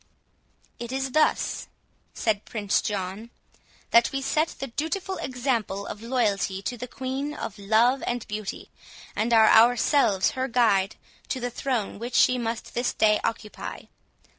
"It is thus," said Prince John, "that we set the dutiful example of loyalty to the Queen of Love and Beauty, and are ourselves her guide to the throne which she must this day occupy.